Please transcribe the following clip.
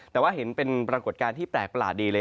แต่ว่าเห็นเป็นปรากฏการณ์ที่แปลกประหลาดดีเลย